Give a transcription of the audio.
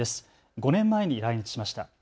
５年前に来日しました。